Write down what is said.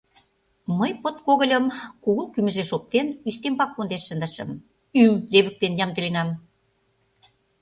Мый подкогыльым, кугу кӱмыжеш оптен, ӱстембак конден шындышым, ӱйым левыктен ямдыленам.